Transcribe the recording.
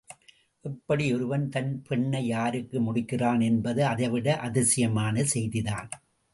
எப்படி ஒருவன் தன் பெண்னை யாருக்கு முடிக்கிறான் என்பது அதைவிட, அதிசயமான செய்திதான்.